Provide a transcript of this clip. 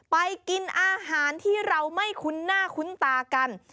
ไปกินอาหารที่เราไม่คุ้นหน้าคุ้นตากัน